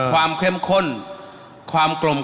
ความเข้มข้นความกลม